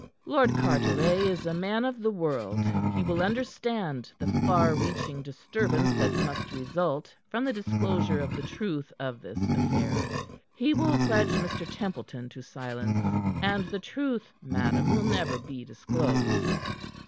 "Lord Carteret is a man of the world. He will understand the far reaching disturbance that must result from the disclosure of the truth of this affair. He will pledge Mr. Templeton to silence, and the truth, madam, will never be disclosed.